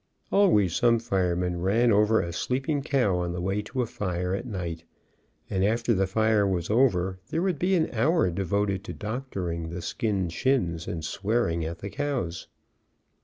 Always some firemen ran over a sleeping cow on the way to a fire at night, and after the fire was over there would be an hour devoted to doctoring the skinned shins, and swearing at the cows.